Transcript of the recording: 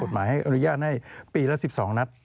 หมายให้อนุญาตให้ปีละ๑๒นัด